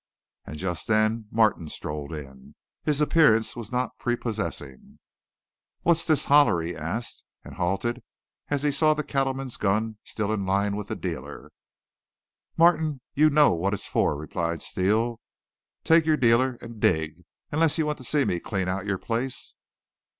And just then Martin strolled in. His appearance was not prepossessing. "What's this holler?" he asked, and halted as he saw the cattleman's gun still in line with the dealer. "Martin, you know what it's for," replied Steele. "Take your dealer and dig unless you want to see me clean out your place."